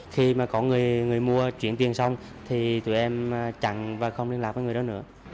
khi mà có người người mua chuyển tiền xong thì tụi em chặn và không liên lạc với người đó nữa